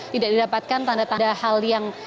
tidak mendapatkan tanda hal yang